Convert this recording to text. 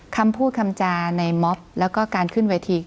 คำพูดคำจาในม็อบแล้วก็การขึ้นเวที